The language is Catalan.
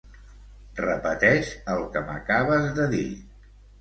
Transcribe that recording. Repeteix el que m'acabes de dir.